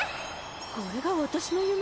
これが私の夢。